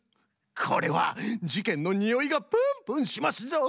これはじけんのにおいがプンプンしますぞ！